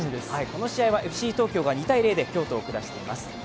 この試合はＦＣ東京が２−１で京都を下しています。